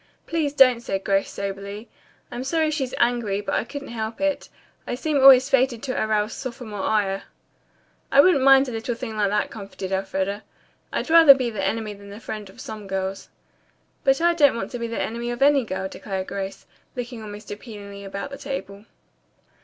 "Please, don't," said Grace soberly. "I'm sorry she's angry, but I couldn't help it. I seem always fated to arouse sophomore ire." "I wouldn't mind a little thing like that," comforted Elfreda. "I'd rather be the enemy than the friend of some girls." "But I don't want to be the enemy of any girl," declared Grace, looking almost appealingly about the table.